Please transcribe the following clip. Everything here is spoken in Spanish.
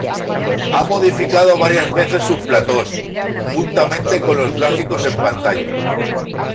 Ha modificado varias veces sus platós, juntamente con los gráficos en pantalla.